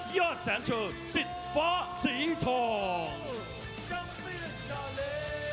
ยอดแสนชัยสิทธิ์ฟ้าสีทอง